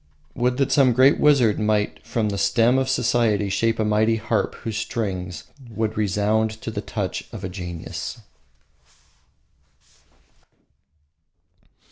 Would that some great wizard might from the stem of society shape a mighty harp whose strings would resound to the touch of genius.